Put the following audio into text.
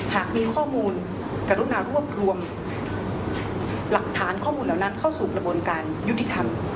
หากมีข้อมูลกรุณารวบรวมหลักฐานข้อมูลเหล่านั้นเข้าสู่กระบวนการยุติธรรม